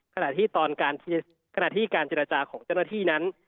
ขณะที่ขณะที่การเจรจาของเจ้าหน้าที่นั้น